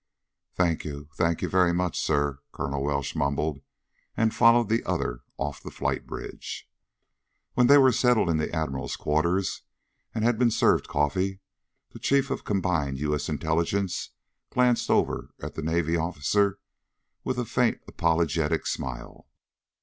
"Thank you, thank you very much, sir," Colonel Welsh mumbled, and followed the other off the flight bridge. When they were settled in the Admiral's quarters, and had been served coffee, the Chief of Combined U. S. Intelligence glanced over at the Navy officer with a faint apologetic smile.